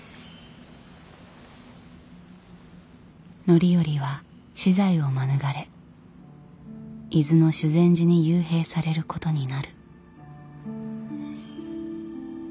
範頼は死罪を免れ伊豆の修善寺に幽閉されることになる。